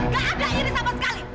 gak ada ini sama sekali